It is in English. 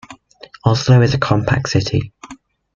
Oslo is a compact city.